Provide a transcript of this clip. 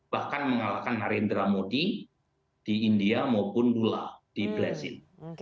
bahkan mengalahkan harindra modi di india maupun lula di brazil